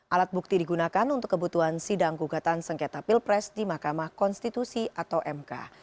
alat bukti digunakan untuk kebutuhan sidang gugatan sengketa pilpres di mahkamah konstitusi atau mk